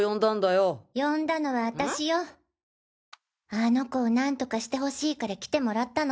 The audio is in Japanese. あの子を何とかしてほしいから来てもらったの。